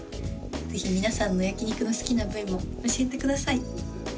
ぜひ皆さんの焼き肉の好きな部位も教えてください